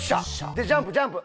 でジャンプジャンプ。